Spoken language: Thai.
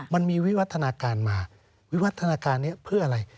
วิวัฒนาการมาวิวัฒนาการนี้เพื่ออะไร